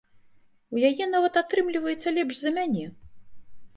У яе нават атрымліваецца лепш за мяне.